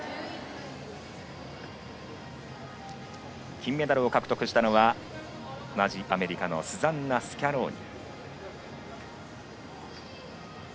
金メダルを獲得したのは同じアメリカのスザンナ・スキャローニ。